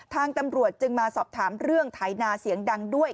ทางตำรวจจึงมาสอบถามเรื่องไถนาเสียงดังด้วย